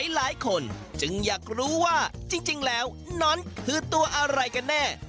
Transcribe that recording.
หลายคนจึงอยากรู้ว่าจริงแล้วนั้นคือตัวอะไรกันแน่